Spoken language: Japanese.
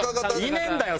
いねえんだよ